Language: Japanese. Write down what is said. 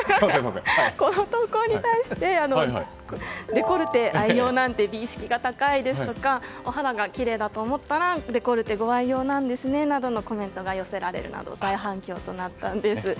この投稿に対してデコルテ愛用なんてとか美意識が高いとかお肌がきれいだと思ったらデコルテご愛用なんですねなどのコメントが寄せられて大反響となったんです。